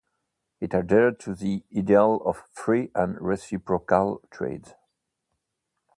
It adhered to the ideal of free and reciprocal trade.